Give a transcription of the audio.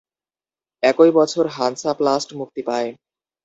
একই বছর হানসাপ্লাস্ট মুক্তি পায়।